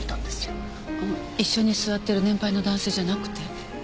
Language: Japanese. あの一緒に座ってる年配の男性じゃなくて？